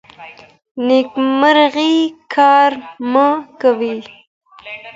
نیمګړی کار مه کوئ.